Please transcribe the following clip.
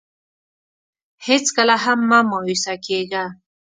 هېڅکله هم مه مایوسه کېږه.